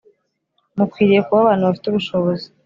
mukwiriye kuba abantu bafite ubushobozi